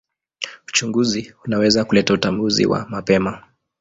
Uchunguzi unaweza kuleta utambuzi wa mapema.